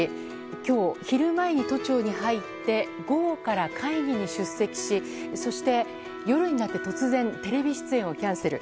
今日、昼前に都庁に入って午後から会議に出席しそして、夜になって突然、テレビ出演をキャンセル。